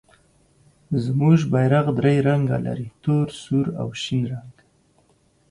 زموږ بیرغ درې رنګه لري، تور، سور او شین رنګ.